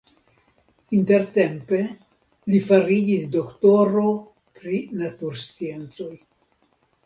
Intertempe li fariĝis doktoro pri natursciencoj.